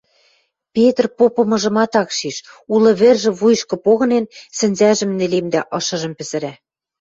Петр попымыжымат ак шиж, улы вӹржӹ вуйышкы погынен, сӹнзӓжӹм нелемдӓ, ышыжым пӹзӹрӓ.